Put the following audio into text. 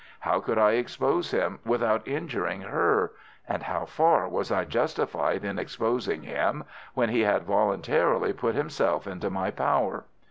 How could I expose him without injuring her—and how far was I justified in exposing him when he had voluntarily put himself into my power?